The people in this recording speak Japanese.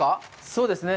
そうですね。